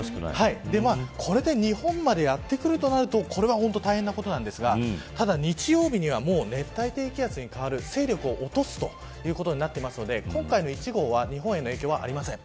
これで日本までやってくるとなると大変なことなんですが日曜日にはもう熱帯低気圧に変わる勢力を落とすということになっていますので今回の台風１号は日本への影響はありません。